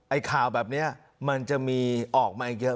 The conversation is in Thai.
ข่าวแบบนี้มันจะมีออกมาอีกเยอะ